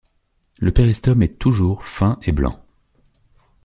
Le péristome est toujours fin et blanc.